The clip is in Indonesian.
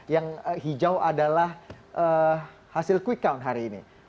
yang hijau adalah hasil quick count hari ini